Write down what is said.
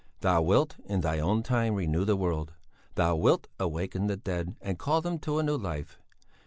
Thou wilt, in Thy own time, renew the world. Thou wilt awaken the dead and call them to a new life.